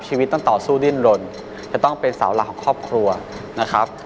ชีวิตต้องต่อสู้ดิ้นรนจะต้องเป็นเสาหลักของครอบครัวนะครับ